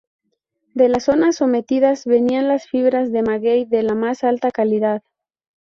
De las zonas sometidas venían las fibras de maguey de la más alta calidad.